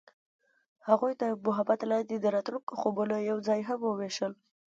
هغوی د محبت لاندې د راتلونکي خوبونه یوځای هم وویشل.